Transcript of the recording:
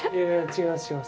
違います